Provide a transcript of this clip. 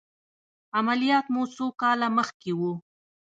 عملیات مو څو کاله مخکې و؟